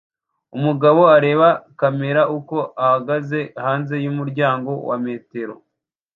Umugabo areba kamera uko ahagaze hanze yumuryango wa metero